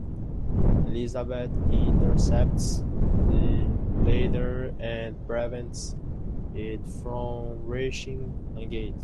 Elisabeth intercepts the letter and prevents it from reaching Agathe.